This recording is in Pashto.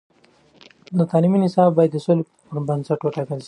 د تعلیم نصاب باید د سولې پر بنسټ وټاکل شي.